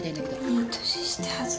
いい年して恥ず。